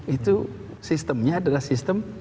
itu sistemnya adalah sistem